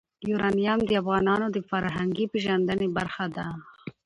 یورانیم د افغانانو د فرهنګي پیژندنې برخه ده.